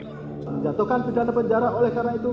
menjatuhkan pidana penjara oleh karena itu